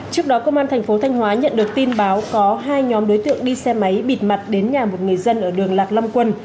trước đó công an thành phố thanh hóa nhận được tin báo có hai nhóm đối tượng đi xe máy bịt mặt đến nhà một người dân ở đường lạc long quân